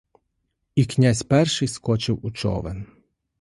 І князь перший скочив у човен.